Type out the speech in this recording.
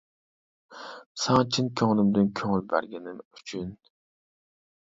ساڭا چىن كۆڭلۈمدىن كۆڭۈل بەرگىنىم ئۈچۈن.